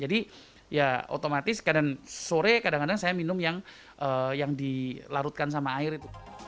jadi ya otomatis kadang sore kadang kadang saya minum yang dilarutkan sama air itu